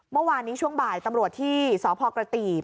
เมื่อวานนี้ช่วงบ่ายตำรวจที่สพกระตีบ